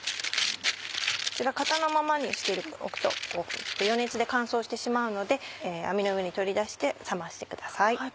こちら型のままにしておくと余熱で乾燥してしまうので網の上に取り出して冷ましてください。